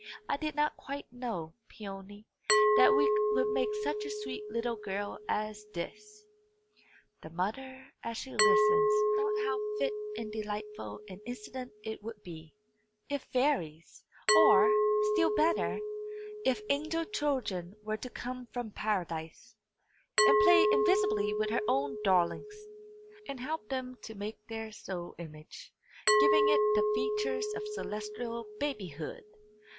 I did not quite know, Peony, that we could make such a sweet little girl as this." The mother, as she listened, thought how fit and delightful an incident it would be, if fairies, or, still better, if angel children were to come from paradise, and play invisibly with her own darlings, and help them to make their snow image, giving it the features of celestial babyhood!